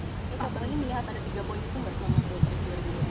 bapak ini melihat ada tiga poin itu nggak selama wapres diwakilkan